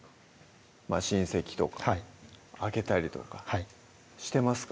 まぁ親戚とかあげたりとかしてますか？